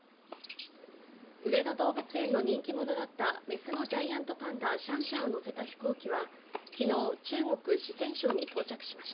上野動物園の人気者だった雌のジャイアントパンダシャンシャンを乗せた飛行機は昨日中国・四川省に到着しました。